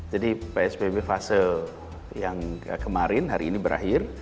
jadi psbb fase yang kemarin hari ini berakhir